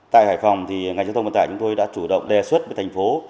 tại hải phòng thì ngành giao thông vận tải chúng tôi đã chủ động đề xuất với thành phố